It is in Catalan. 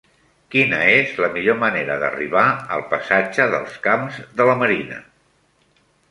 Quina és la millor manera d'arribar al passatge dels Camps de la Marina?